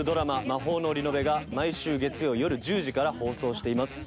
「魔法のリノベ」が毎週月曜夜１０時から放送しています。